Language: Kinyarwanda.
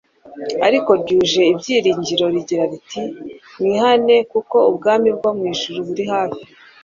ariko ryuje ibyiringiro rigira riti : "Mwihane kuko ubwami bwo mu ijuru buri hafi."